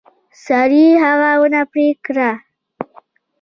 سړي هغه ونه پرې کړه.